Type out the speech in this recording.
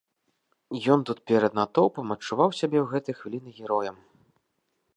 Ён тут перад натоўпам адчуваў сябе ў гэтыя хвіліны героем.